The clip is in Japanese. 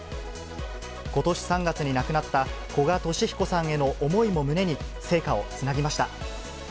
ことし３月に亡くなった、古賀稔彦さんへの思いも胸に、聖火をつなぎました。